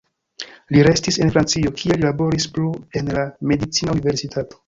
Li restis en Francio, kie li laboris plu en la medicina universitato.